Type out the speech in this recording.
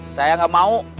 saya gak mau